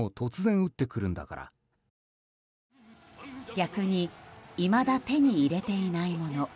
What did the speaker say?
逆に今だ、手に入れていないもの。